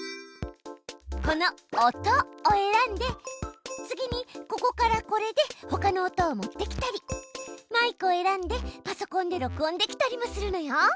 この「音」を選んで次にここからこれでほかの音を持ってきたりマイクを選んでパソコンで録音できたりもするのよ。